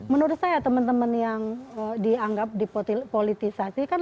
menurut saya teman teman yang dianggap dipolitisasi kan